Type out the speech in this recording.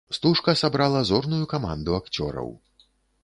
Стужка сабрала зорную каманду акцёраў.